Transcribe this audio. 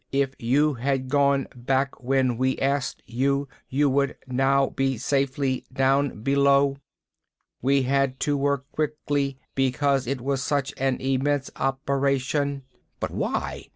If you had gone back when we asked you, you would now be safely down below. We had to work quickly because it was such an immense operation." "But why?"